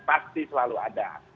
pasti selalu ada